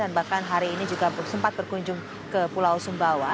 dan bahkan hari ini juga sempat berkunjung ke pulau sumbawa